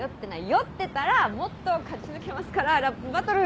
酔ってたらもっと勝ち抜けますからラップバトル。